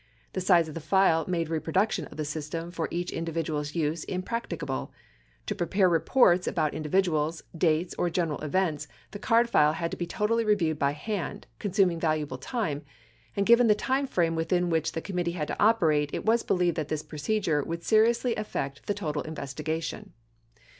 The size of the file made reproduction of the system for each individual's use impracticable. To prepare reports about individuals, dates, or general events, the card file had to be totally reviewed by hand, consuming valuable time ; and given the time frame within which the committee had to operate, it was believed this procedure would seriously affect the total investigation.